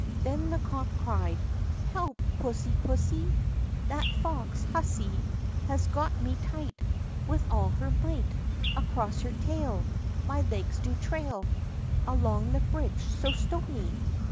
Then the cock cried: "Help! pussy pussy! That foxy hussy Has got me tight With all her might. Across her tail My legs do trail Along the bridge so stony!"